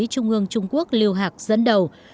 trung ương trung quốc lưu hạc dẫn đầu